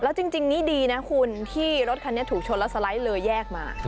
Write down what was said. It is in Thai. แล้วจริงนี่ดีนะคุณที่รถคันนี้ถูกชนแล้วสไลด์เลยแยกมา